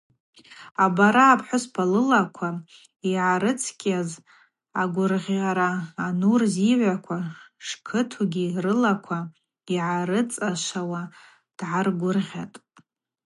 Абараъа апхӏвыспа лылаква йгӏарыцӏкъьаз агвыргъьара анур зигӏваква шкытугьи рылаква йгӏарыцӏашвауа дгӏагвыргъьатӏ.